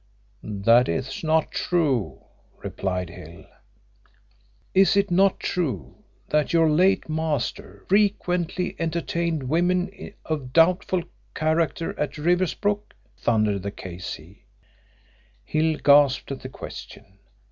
"That is not true," replied Hill. "Is it not true that your late master frequently entertained women of doubtful character at Riversbrook?" thundered the K.C. Hill gasped at the question.